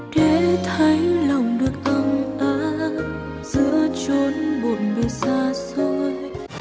để thấy lòng được âm áp giữa trốn buồn bị xa xôi